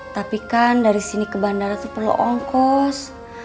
tapi kan dari sini ke bandara itu perlu ongkos